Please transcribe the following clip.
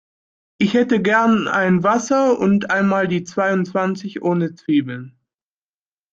Ich hätte gern ein Wasser und einmal die zweiundzwanzig ohne Zwiebeln.